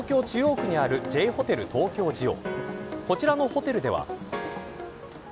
東京、中央区にあるＪホテル東京ジオ。